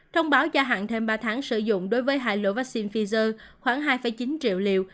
thông báo gia hạn thêm ba tháng sử dụng đối với hai lô vaccine pfizer khoảng hai chín triệu liều